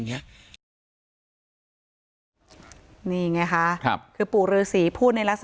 นี่ไงแค่